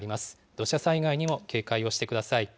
土砂災害にも警戒をしてください。